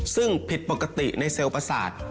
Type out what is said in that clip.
ซึ่งผิดปกติในเซลล์ประสาท